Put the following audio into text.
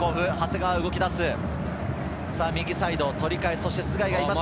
右サイド・鳥海、そして須貝がいます。